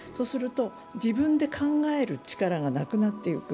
そうすると自分で考える力がなくなっていく。